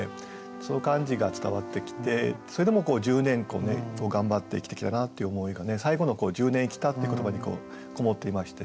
その感じが伝わってきてそれでも十年頑張って生きてきたなっていう思いが最後の「十年生きた」っていう言葉にこもっていまして。